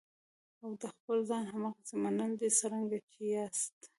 او د خپل ځان هماغسې منل دي څرنګه چې یاستئ.